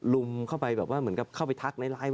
ลุมเข้าไปแบบว่าเหมือนกับเข้าไปทักไลฟ์